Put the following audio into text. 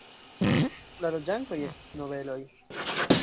La loĝantoj estis nobeloj.